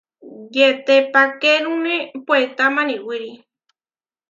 Yetepakérune puetá maniwíri.